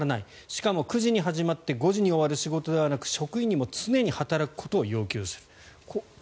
しかも９時に始まって５時に終わる仕事ではなく職員にも常に働くことを要求する。